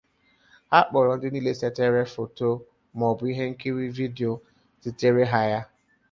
Ha kpọrọ ndị niile setere photo m’ọ bụ ihe nkiri vidio zitere ha ya.